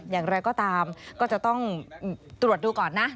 อย่างไรก็ตามก็จะต้องตรวจดูก่อนนะ